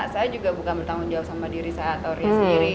saya juga bukan bertanggung jawab sama diri saya atau ria sendiri